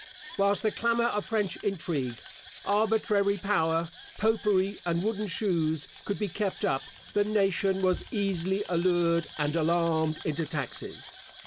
Whilst the clamour of French intrigue, arbitrary power, popery, and wooden shoes could be kept up, the nation was easily allured and alarmed into taxes.